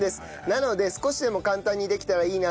なので少しでも簡単にできたらいいなと思い